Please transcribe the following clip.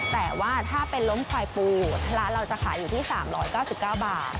แต่ว่าถ้าเป็นล้มควายปูร้านเราจะขายอยู่ที่๓๙๙บาท